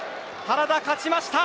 原田勝ちました。